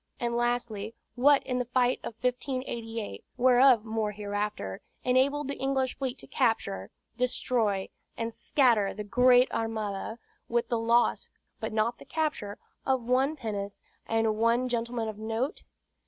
And lastly, what in the fight of 1588, whereof more hereafter, enabled the English fleet to capture, destroy, and scatter that Great Armada, with the loss (but not the capture) of one pinnace, and one gentleman of note?